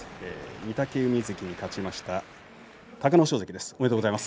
御嶽海関に勝ちました隆の勝関です。